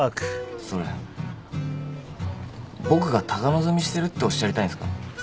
それ僕が高望みしてるっておっしゃりたいんすか？